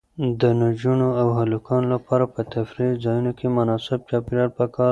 د نجونو او هلکانو لپاره په تفریحي ځایونو کې مناسب چاپیریال پکار دی.